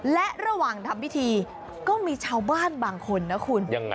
และระหว่างทำพิธีก็มีชาวบ้านบางคนนะคุณยังไง